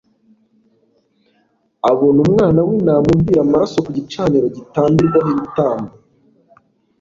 Abona umwana w'intama uvira amaraso ku gicaniro gitambirwaho ibitambo